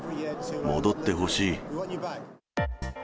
戻ってほしい。